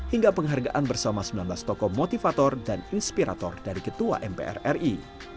hingga penghargaan bersama sembilan belas tokoh motivator dan inspirator dari ketua mpr ri